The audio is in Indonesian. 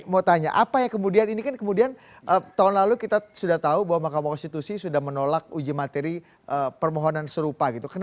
mau tanya apa yang kemudian ini kan kemudian tahun lalu kita sudah tahu bahwa mahkamah konstitusi sudah menolak uji materi permohonan serupa gitu